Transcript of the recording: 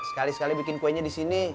sekali sekali bikin kuenya di sini